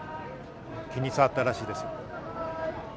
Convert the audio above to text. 気に障ったらしいです。